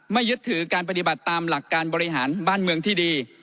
ยึดถือการปฏิบัติตามหลักการบริหารบ้านเมืองที่ดี